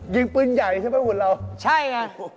ยิงปืนใหญ่ใช่ไหมพี่เบิร์ดเราใช่งั้น